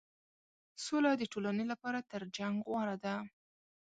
سوله د ټولنې لپاره تر جنګ غوره ده.